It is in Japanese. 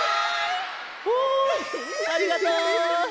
おありがとう！